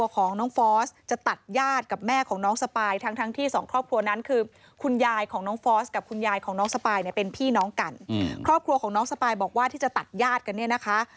ของน้องฟอร์สกับคุณยายของน้องสปายเนี่ยเป็นพี่น้องกันอืมครอบครัวของน้องสปายบอกว่าที่จะตัดญาติกันเนี่ยนะคะ